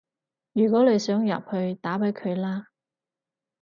如果你想入去，打畀佢啦